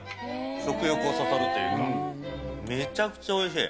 食欲をそそるというか、めちゃくちゃおいしい。